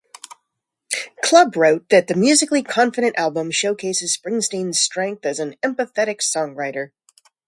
Club wrote that the musically confident album showcases Springsteen's strength as an empathic songwriter.